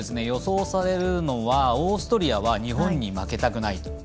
予想されるのはオーストリアは日本に負けたくない。